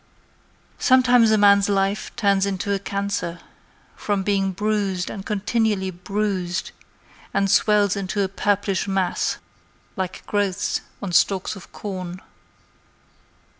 Sometimes a man's life turns into a cancer From being bruised and continually bruised, And swells into a purplish mass Like growths on stalks of corn.